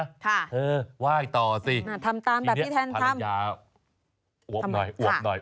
ค่ะไหว้ต่อสิทีนี้ภรรยาทำตามแบบพี่แทนทำ